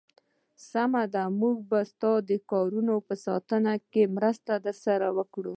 سمه ده، موږ به ستا د کاروانونو په ساتنه کې مرسته درسره وکړو.